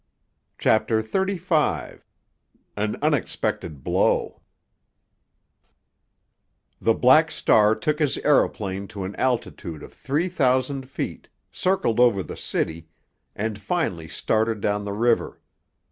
CHAPTER XXXV—AN UNEXPECTED BLOW The Black Star took his aëroplane to an altitude of three thousand feet, circled over the city, and finally started down the river.